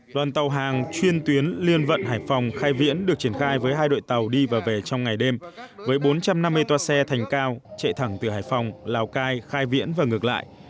đoàn tàu hàng chuyên tuyến liên vận hải phòng khai viễn được triển khai với hai đội tàu đi và về trong ngày đêm với bốn trăm năm mươi toa xe thành cao chạy thẳng từ hải phòng lào cai khai viễn và ngược lại